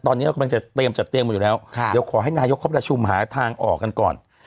ตอนนี้เรากำลังจะเตรียมจัดเตรียมกันอยู่แล้วเดี๋ยวขอให้นายกเขาประชุมหาทางออกกันก่อน